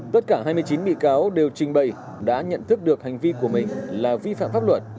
tất cả hai mươi chín bị cáo đều trình bày đã nhận thức được hành vi của mình là vi phạm pháp luật